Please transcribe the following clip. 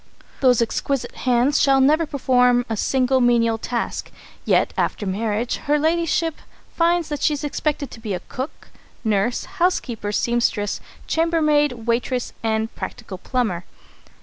Those exquisite hands shall never perform a single menial task! Yet, after marriage, Her Ladyship finds that she is expected to be a cook, nurse, housekeeper, seamstress, chambermaid, waitress, and practical plumber.